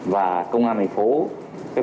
và công an tp hcm